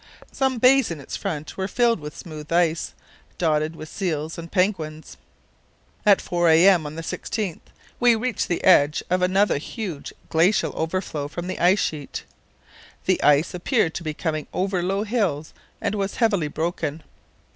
Some bays in its front were filled with smooth ice, dotted with seals and penguins. At 4 a.m. on the 16th we reached the edge of another huge glacial overflow from the ice sheet. The ice appeared to be coming over low hills and was heavily broken.